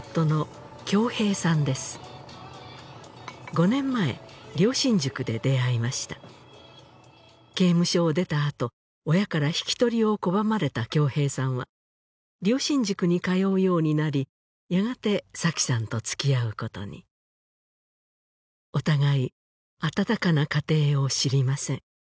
５年前良心塾で出会いました刑務所を出たあと親から引き取りを拒まれた恭平さんは良心塾に通うようになりやがて紗妃さんとつきあうことにお互いあたたかな家庭を知りません